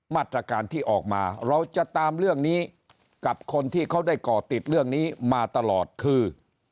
มาตรการที่ออกมาเราจะตามเรื่องนี้กับคนที่เขาได้ก่อติดเรื่องนี้มาตลอดคือ